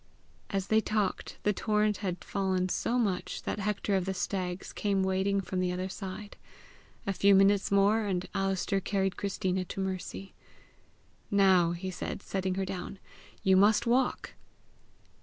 As they talked, the torrent had fallen so much, that Hector of the Stags came wading from the other side. A few minutes more, and Alister carried Christina to Mercy. "Now," he said, setting her down, "you must walk."